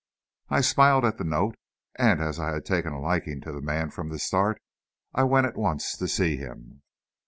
I smiled at the note, and as I had taken a liking to the man from the start, I went at once to see him.